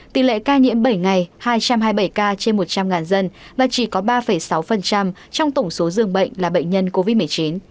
tỷ lệ ca nhiễm bảy ngày hai trăm hai mươi bảy ca trên một trăm linh dân và chỉ có ba sáu trong tổng số dường bệnh là bệnh nhân covid một mươi chín